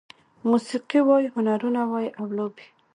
موسيقي وای، هنرونه وای او لوبې